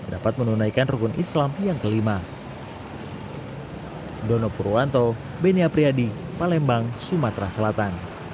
dapat menunaikan rukun islam yang kelima